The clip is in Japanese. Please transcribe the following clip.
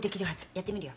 やってみるよ。